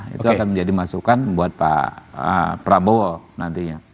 itu akan menjadi masukan buat pak prabowo nantinya